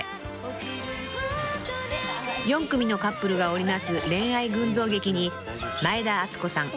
［４組のカップルが織りなす恋愛群像劇に前田敦子さん